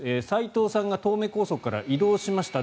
齋藤さんが東名高速から移動しました。